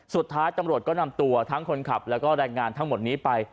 สุดท้ายตำรวจก็นำตัวทั้งคนขับแล้วก็แรงงานทั้งหมดนี้ไป